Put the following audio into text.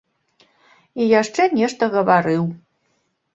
І яшчэ нешта гаварыў.